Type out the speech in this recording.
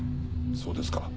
そうですか。